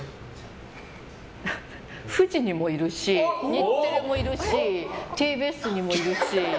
フジにもいるし日テレもいるしＴＢＳにもいるし。